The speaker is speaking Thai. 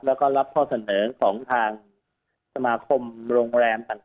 แล้วก็รับข้อเสนอของทางสมาคมโรงแรมต่าง